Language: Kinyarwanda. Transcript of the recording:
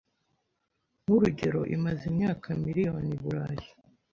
nkurugero imaze imyaka miriyoni i Burayi